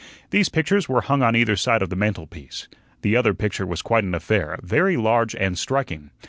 These pictures were hung on either side of the mantelpiece. The other picture was quite an affair, very large and striking.